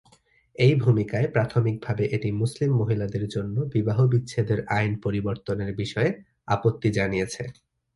এই ভূমিকায় প্রাথমিকভাবে এটি মুসলিম মহিলাদের জন্য বিবাহবিচ্ছেদের আইন পরিবর্তনের বিষয়ে আপত্তি জানিয়েছে।